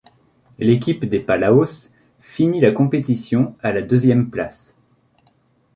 L'équipe des Palaos finit la compétition à la deuxième place.